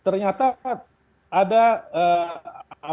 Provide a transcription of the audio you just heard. untuk menyebabkan keadaan obat